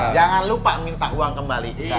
jangan lupa minta uang kembali